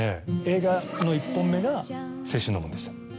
映画の１本目が『青春の門』でした。